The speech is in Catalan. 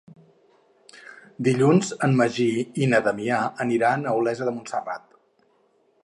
Dilluns en Magí i na Damià aniran a Olesa de Montserrat.